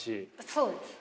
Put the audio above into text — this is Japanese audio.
そうですね。